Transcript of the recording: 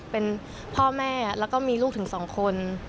เป็นพ่อแม่แล้วก็มีลูกถึง๒คน